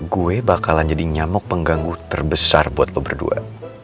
gue bakalan jadi nyamuk pengganggu terbesar buat lo berdua